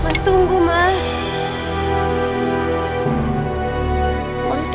mas tunggu jangan pergi worthy gates